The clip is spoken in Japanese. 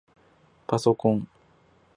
ぱそこん